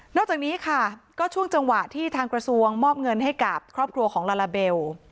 จากนี้ค่ะก็ช่วงจังหวะที่ทางกระทรวงมอบเงินให้กับครอบครัวของลาลาเบล